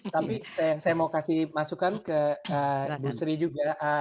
tapi saya mau kasih masukan ke ibu sri juga